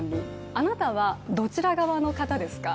あなたはどちら側の方ですか？